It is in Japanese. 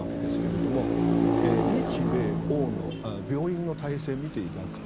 日米欧の病院の体制を見ていただくと